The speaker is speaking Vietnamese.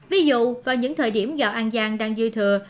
ví dụ vào những thời điểm gạo an giang đang dư thừa